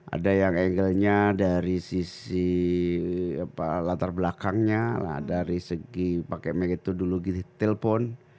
ada yang angle nya dari sisi apa latar belakangnya dari segi pakai metode telepon